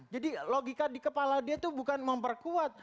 jadi logika di kepala dia itu bukan memperkuat